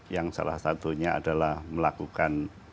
yang salah satunya adalah melakukan